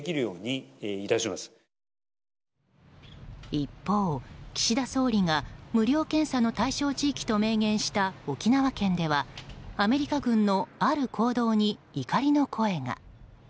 一方、岸田総理が無料検査の対象地域と明言した沖縄県では、アメリカ軍のある行動に怒りの声が。